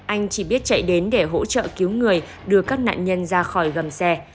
anh chỉ biết chạy đến để hỗ trợ cứu người đưa các nạn nhân ra khỏi gầm xe